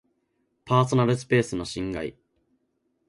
パーソナルスペースの侵害